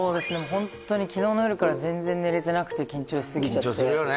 ホントに昨日の夜から全然寝れてなくて緊張しすぎちゃって緊張するよね